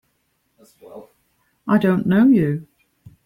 I don't know you!